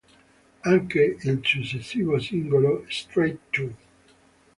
Anche il successivo singolo, "Straight to...